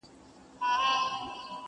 تاسي ځئ ما مي قسمت ته ځان سپارلی.!